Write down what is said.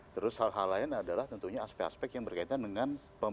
terus hal hal lain adalah tentunya aspek aspek yang berkaitan dengan pembangunan